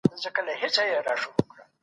زمانه